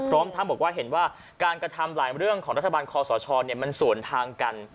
พร้อมทั้งบอกว่าเห็นว่าการกระทำหลายเรื่องของรัฐบาลคอสชมันส่วนทางกัน